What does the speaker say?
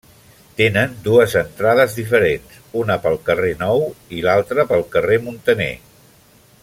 Tenen dues entrades diferents, una pel carrer Nou i l'altra pel carrer Muntaner.